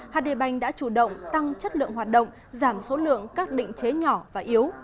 hd bànk đã chủ động tăng chất lượng hoạt động giảm số lượng các định chế nhỏ và yếu